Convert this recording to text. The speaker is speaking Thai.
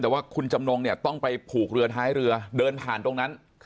แต่ว่าคุณจำนงเนี่ยต้องไปผูกเรือท้ายเรือเดินผ่านตรงนั้น